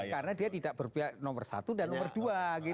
karena dia tidak berpilihan nomor satu dan nomor dua gitu